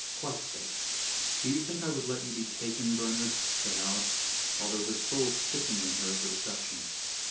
"Quite safe. Do you think I would let you be taken, Bernard?" said Alice, although her soul sickened in her at the deception.